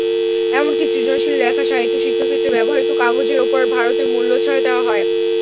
এমনকি সৃজনশীল লেখা, সাহিত্য, শিক্ষাক্ষেত্রে ব্যবহৃত কাগজের ওপর ভারতে মূল্যছাড় দেওয়া হয়।